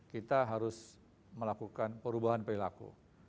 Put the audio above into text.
kita harus melakukan perubahan perilaku